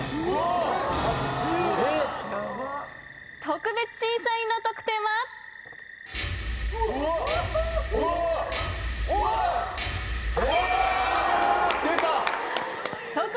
特別審査員の得点は？出た！